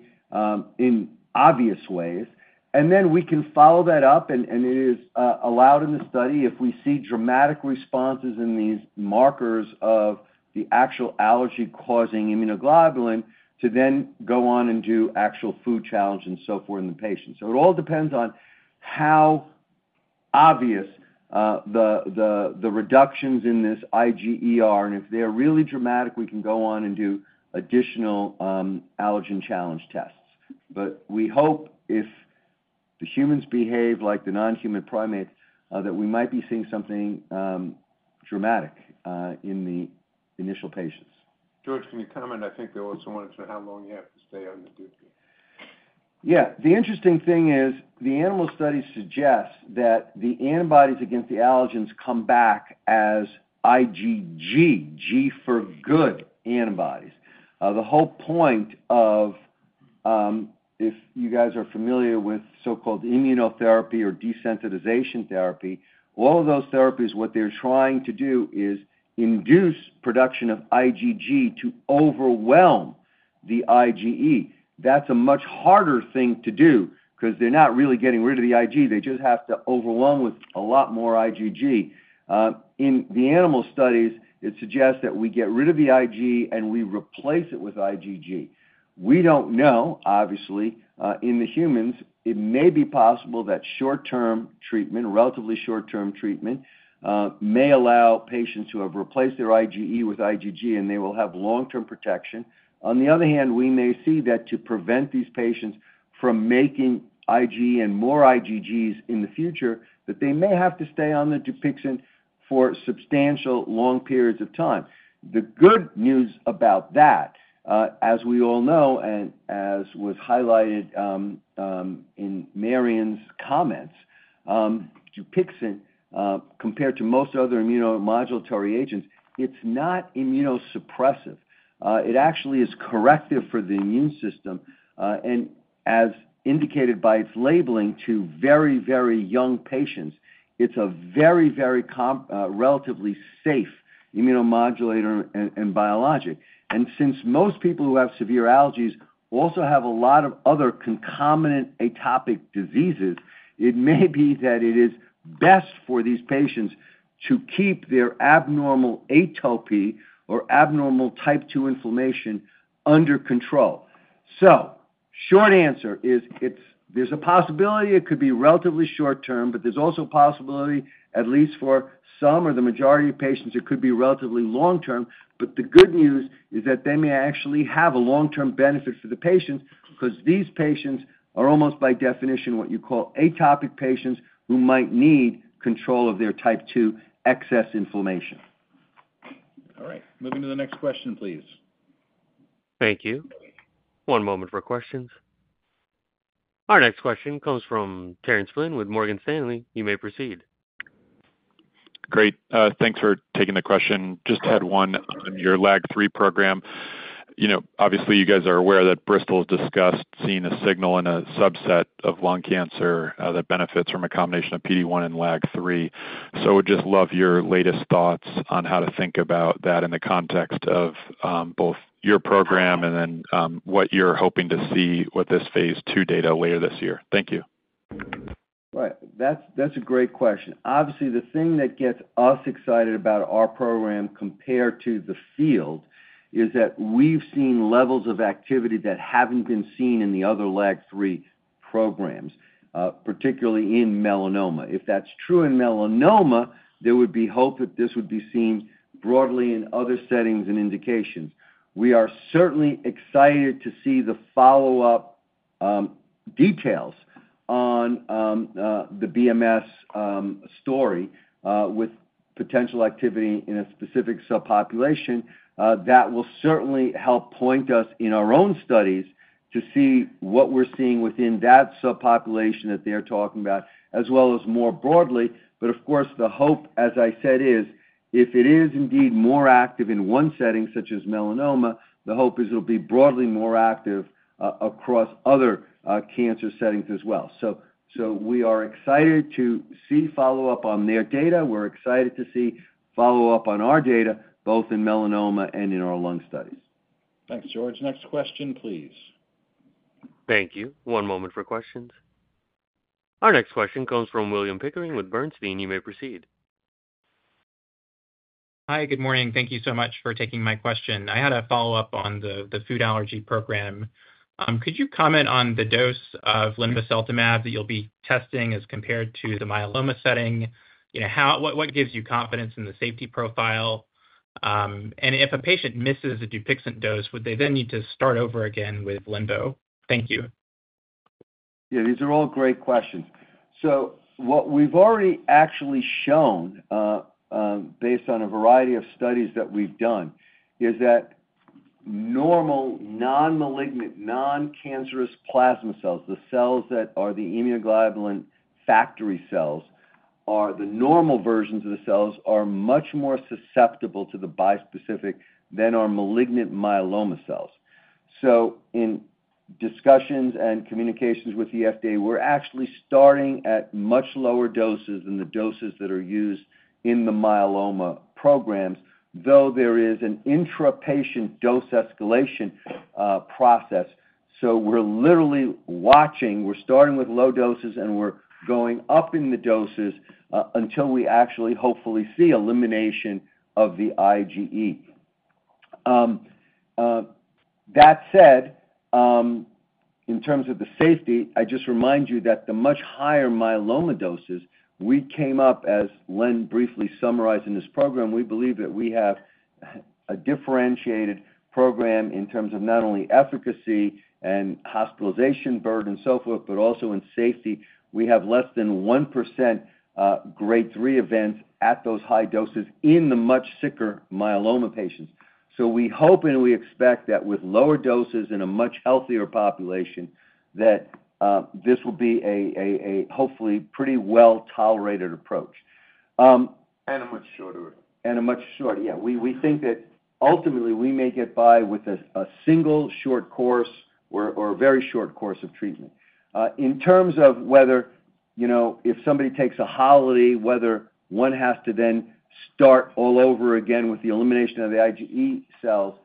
in obvious ways. And then we can follow that up, and it is allowed in the study, if we see dramatic responses in these markers of the actual allergy-causing immunoglobulin, to then go on and do actual food challenge and so forth in the patient. So it all depends on how obvious the reductions in this IgE are, and if they are really dramatic, we can go on and do additional allergen challenge tests. But we hope if the humans behave like the non-human primates that we might be seeing something dramatic in the initial patients. George, can you comment? I think they also wanted to know how long you have to stay on the Dupixent. Yeah. The interesting thing is, the animal study suggests that the antibodies against the allergens come back as IgG, G for good antibodies. The whole point of, if you guys are familiar with so-called immunotherapy or desensitization therapy, all of those therapies, what they're trying to do, is induce production of IgG to overwhelm the IgE. That's a much harder thing to do because they're not really getting rid of the IgE, they just have to overwhelm with a lot more IgG. In the animal studies, it suggests that we get rid of the IgE and we replace it with IgG. We don't know, obviously, in the humans, it may be possible that short-term treatment, relatively short-term treatment, may allow patients who have replaced their IgE with IgG, and they will have long-term protection. On the other hand, we may see that to prevent these patients from making IgE and more IgGs in the future, that they may have to stay on the Dupixent for substantial long periods of time. The good news about that, as we all know and as was highlighted, in Marion's comments, Dupixent, compared to most other immunomodulatory agents, it's not immunosuppressive. It actually is corrective for the immune system, and as indicated by its labeling to very, very young patients, it's a very, very safe immunomodulator and biologic. And since most people who have severe allergies also have a lot of other concomitant atopic diseases, it may be that it is best for these patients to keep their abnormal atopy or abnormal Type 2 inflammation under control. So short answer is, it's... There's a possibility it could be relatively short-term, but there's also a possibility, at least for some or the majority of patients, it could be relatively long-term. But the good news is that they may actually have a long-term benefit for the patient, because these patients are almost by definition, what you call atopic patients, who might need control of their Type 2 excess inflammation. All right, moving to the next question, please. Thank you. One moment for questions. Our next question comes from Terence Flynn with Morgan Stanley. You may proceed. Great, thanks for taking the question. Just had one on your LAG-3 program. You know, obviously, you guys are aware that Bristol has discussed seeing a signal in a subset of lung cancer, that benefits from a combination of PD-1 and LAG-3. So would just love your latest thoughts on how to think about that in the context of, both your program and then, what you're hoping to see with this Phase 2 data later this year. Thank you. Right. That's a great question. Obviously, the thing that gets us excited about our program compared to the field is that we've seen levels of activity that haven't been seen in the other LAG-3 programs, particularly in melanoma. If that's true in melanoma, there would be hope that this would be seen broadly in other settings and indications. We are certainly excited to see the follow-up details on the BMS story with potential activity in a specific subpopulation. That will certainly help point us in our own studies to see what we're seeing within that subpopulation that they're talking about, as well as more broadly. But of course, the hope, as I said, is if it is indeed more active in one setting, such as melanoma, the hope is it'll be broadly more active across other cancer settings as well. So, we are excited to see follow-up on their data. We're excited to see follow-up on our data, both in melanoma and in our lung studies. Thanks, George. Next question, please. Thank you. One moment for questions. Our next question comes from William Pickering with Bernstein. You may proceed.... Hi, good morning. Thank you so much for taking my question. I had a follow-up on the food allergy program. Could you comment on the dose of linvoseltamab that you'll be testing as compared to the myeloma setting? You know, how—what gives you confidence in the safety profile? And if a patient misses a Dupixent dose, would they then need to start over again with linvoseltamab? Thank you. Yeah, these are all great questions. So what we've already actually shown, based on a variety of studies that we've done, is that normal, non-malignant, non-cancerous plasma cells, the cells that are the immunoglobulin factory cells, are the normal versions of the cells, are much more susceptible to the bispecific than our malignant myeloma cells. So in discussions and communications with the FDA, we're actually starting at much lower doses than the doses that are used in the myeloma programs, though there is an intra-patient dose escalation, process. So we're literally watching. We're starting with low doses, and we're going up in the doses until we actually hopefully see elimination of the IgE. That said, in terms of the safety, I just remind you that the much higher myeloma doses we came up as Len briefly summarized in this program, we believe that we have a differentiated program in terms of not only efficacy and hospitalization burden and so forth, but also in safety. We have less than 1% grade three events at those high doses in the much sicker myeloma patients. So we hope and we expect that with lower doses in a much healthier population, that this will be a hopefully pretty well-tolerated approach. A much shorter. And a much shorter, yeah. We think that ultimately we may get by with a single short course or a very short course of treatment. In terms of whether, you know, if somebody takes a holiday, whether one has to then start all over again with the elimination of the IgE cells,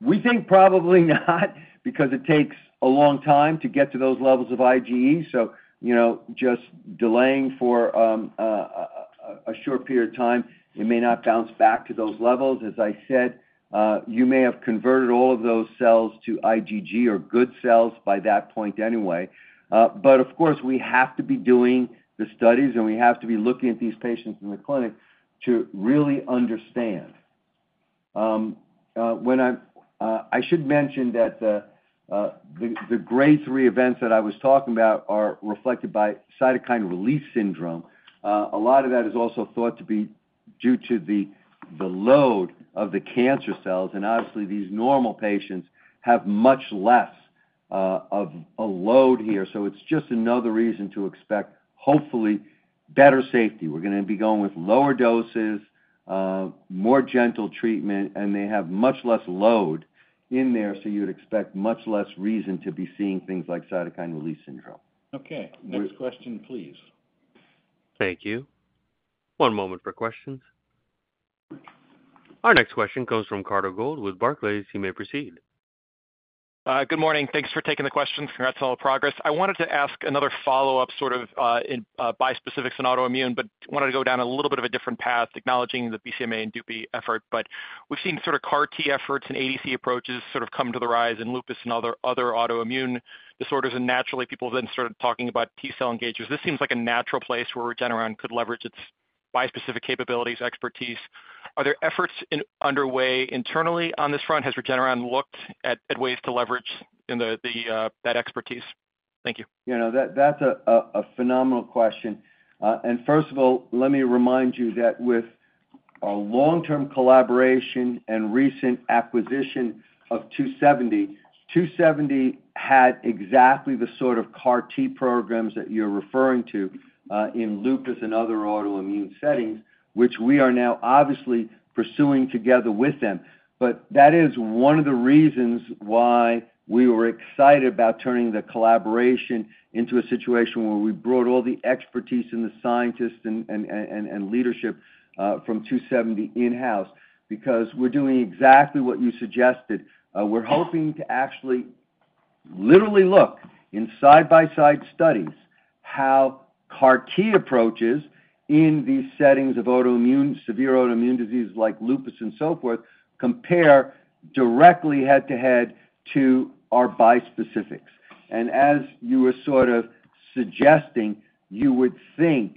we think probably not because it takes a long time to get to those levels of IgE. So, you know, just delaying for a short period of time, it may not bounce back to those levels. As I said, you may have converted all of those cells to IgG or good cells by that point anyway. But of course, we have to be doing the studies, and we have to be looking at these patients in the clinic to really understand. When I should mention that the grade three events that I was talking about are reflected by cytokine release syndrome. A lot of that is also thought to be due to the load of the cancer cells, and obviously, these normal patients have much less of a load here. So it's just another reason to expect, hopefully, better safety. We're gonna be going with lower doses, more gentle treatment, and they have much less load in there, so you'd expect much less reason to be seeing things like cytokine release syndrome. Okay. Next question, please. Thank you. One moment for questions. Our next question comes from Carter Gould with Barclays. You may proceed. Good morning. Thanks for taking the questions. Congrats on all the progress. I wanted to ask another follow-up, sort of, in bispecifics and autoimmune, but wanted to go down a little bit of a different path, acknowledging the BCMA and Dupi effort. But we've seen sort of CAR-T efforts and ADC approaches sort of come to the rise in lupus and other autoimmune disorders, and naturally, people then started talking about T-cell engagers. This seems like a natural place where Regeneron could leverage its bispecific capabilities, expertise. Are there efforts underway internally on this front? Has Regeneron looked at ways to leverage that expertise? Thank you. You know, that's a phenomenal question. And first of all, let me remind you that with a long-term collaboration and recent acquisition of 2seventy, 2seventy had exactly the sort of CAR-T programs that you're referring to, in lupus and other autoimmune settings, which we are now obviously pursuing together with them. But that is one of the reasons why we were excited about turning the collaboration into a situation where we brought all the expertise and the scientists and leadership from 2seventy in-house, because we're doing exactly what you suggested. We're hoping to actually literally look in side-by-side studies how CAR-T approaches in these settings of autoimmune, severe autoimmune diseases like lupus and so forth, compare directly head-to-head to our bispecifics. And as you were sort of suggesting, you would think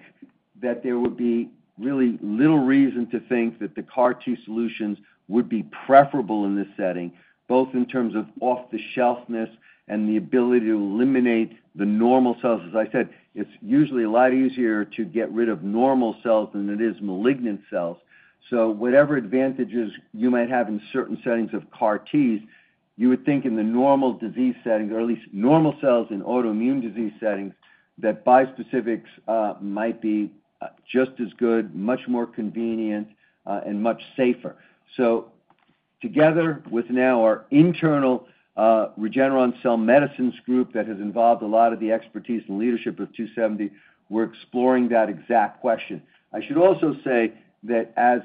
that there would be really little reason to think that the CAR-T solutions would be preferable in this setting, both in terms of off-the-shelfness and the ability to eliminate the normal cells. As I said, it's usually a lot easier to get rid of normal cells than it is malignant cells. So whatever advantages you might have in certain settings of CAR-Ts, you would think in the normal disease settings, or at least normal cells in autoimmune disease settings, that bispecifics might be just as good, much more convenient, and much safer. So together with now our internal Regeneron Cell Medicines group that has involved a lot of the expertise and leadership of 2seventy, we're exploring that exact question. I should also say that as-...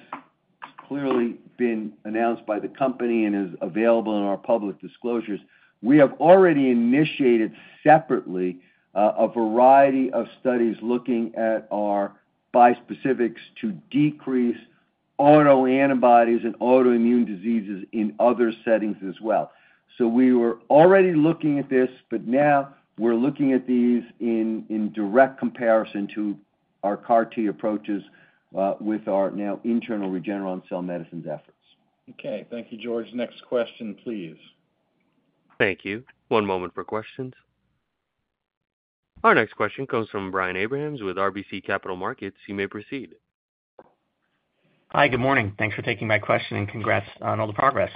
Clearly been announced by the company and is available in our public disclosures. We have already initiated separately a variety of studies looking at our bispecifics to decrease autoantibodies and autoimmune diseases in other settings as well. So we were already looking at this, but now we're looking at these in direct comparison to our CAR-T approaches with our now internal Regeneron Cell Medicines efforts. Okay. Thank you, George. Next question, please. Thank you. One moment for questions. Our next question comes from Brian Abrahams with RBC Capital Markets. You may proceed. Hi, good morning. Thanks for taking my question, and congrats on all the progress.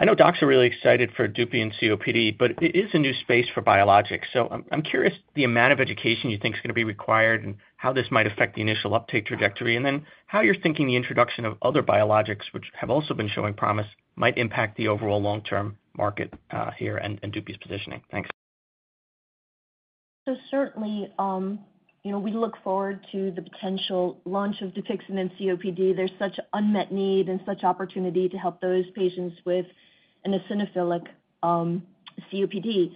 I know docs are really excited for Dupixent COPD, but it is a new space for biologics, so I'm curious the amount of education you think is going to be required and how this might affect the initial uptake trajectory. And then how you're thinking the introduction of other biologics, which have also been showing promise, might impact the overall long-term market, here and Dupixent's positioning. Thanks. So certainly, you know, we look forward to the potential launch of Dupixent in COPD. There's such unmet need and such opportunity to help those patients with an eosinophilic COPD.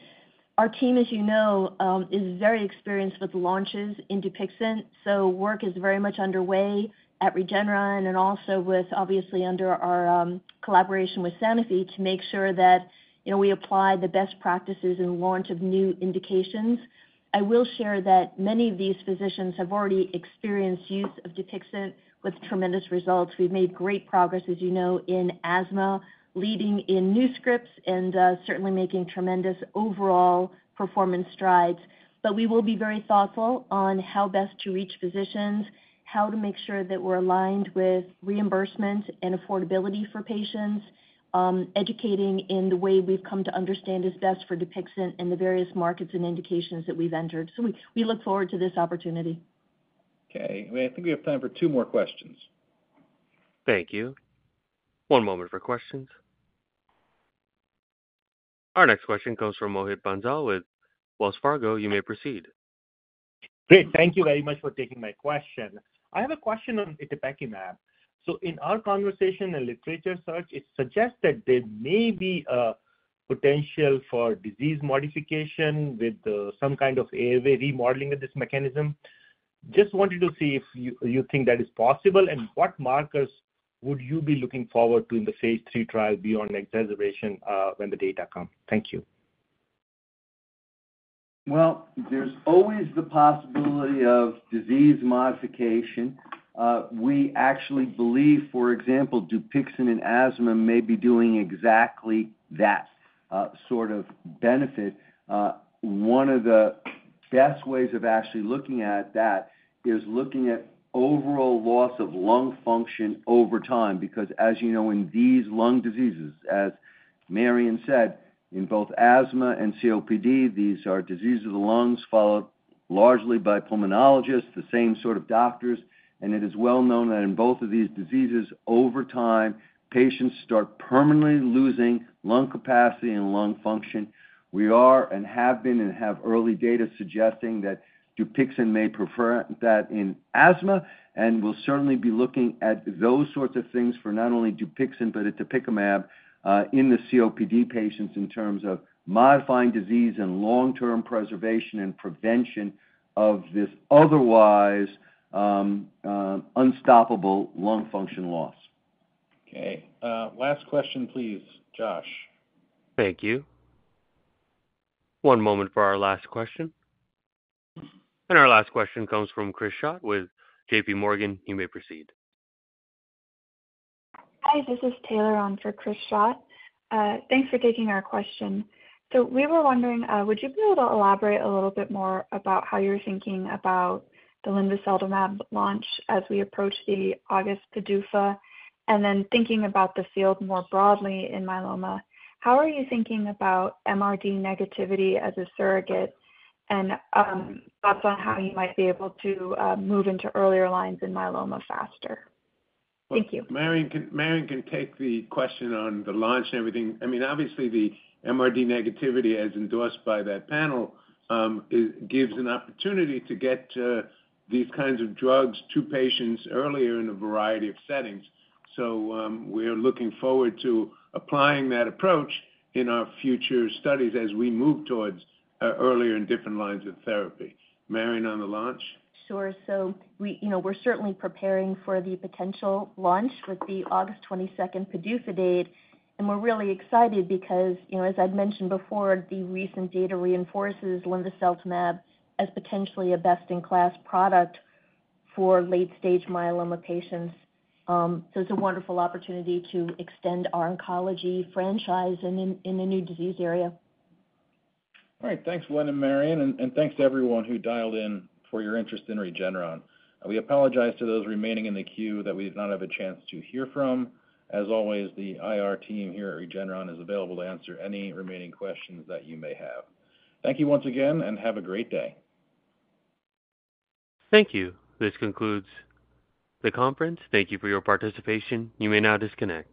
Our team, as you know, is very experienced with launches in Dupixent, so work is very much underway at Regeneron and also with, obviously, under our collaboration with Sanofi, to make sure that, you know, we apply the best practices in launch of new indications. I will share that many of these physicians have already experienced use of Dupixent with tremendous results. We've made great progress, as you know, in asthma, leading in new scripts and, certainly making tremendous overall performance strides. We will be very thoughtful on how best to reach physicians, how to make sure that we're aligned with reimbursement and affordability for patients, educating in the way we've come to understand is best for Dupixent in the various markets and indications that we've entered. We look forward to this opportunity. Okay. I think we have time for two more questions. Thank you. One moment for questions. Our next question comes from Mohit Bansal with Wells Fargo. You may proceed. Great. Thank you very much for taking my question. I have a question on itepekimab. So in our conversation and literature search, it suggests that there may be a potential for disease modification with some kind of airway remodeling of this mechanism. Just wanted to see if you, you think that is possible, and what markers would you be looking forward to in the Phase 3 trial beyond exacerbation, when the data comes? Thank you. Well, there's always the possibility of disease modification. We actually believe, for example, Dupixent in asthma may be doing exactly that, sort of benefit. One of the best ways of actually looking at that is looking at overall loss of lung function over time, because as you know, in these lung diseases, as Marion said, in both asthma and COPD, these are diseases of the lungs followed largely by pulmonologists, the same sort of doctors. And it is well known that in both of these diseases, over time, patients start permanently losing lung capacity and lung function. We are, and have been, and have early data suggesting that Dupixent may prefer that in asthma, and we'll certainly be looking at those sorts of things for not only Dupixent, but itolizumab, in the COPD patients in terms of modifying disease and long-term preservation and prevention of this otherwise, unstoppable lung function loss. Okay. Last question, please. Josh? Thank you. One moment for our last question. Our last question comes from Chris Schott with JPMorgan. You may proceed. Hi, this is Taylor on for Chris Schott. Thanks for taking our question. So we were wondering, would you be able to elaborate a little bit more about how you're thinking about the linvoseltamab launch as we approach the August PDUFA? And then thinking about the field more broadly in myeloma, how are you thinking about MRD negativity as a surrogate? And thoughts on how you might be able to move into earlier lines in myeloma faster. Thank you. Marion can, Marion can take the question on the launch and everything. I mean, obviously the MRD negativity, as endorsed by that panel, it gives an opportunity to get these kinds of drugs to patients earlier in a variety of settings. So, we are looking forward to applying that approach in our future studies as we move towards earlier and different lines of therapy. Marion, on the launch? Sure. So we, you know, we're certainly preparing for the potential launch with the August 22nd PDUFA date, and we're really excited because, you know, as I've mentioned before, the recent data reinforces linvoseltamab as potentially a best-in-class product for late-stage myeloma patients. So it's a wonderful opportunity to extend our oncology franchise in a, in a new disease area. All right. Thanks, Len and Marion, and thanks to everyone who dialed in for your interest in Regeneron. We apologize to those remaining in the queue that we did not have a chance to hear from. As always, the IR team here at Regeneron is available to answer any remaining questions that you may have. Thank you once again, and have a great day. Thank you. This concludes the conference. Thank you for your participation. You may now disconnect.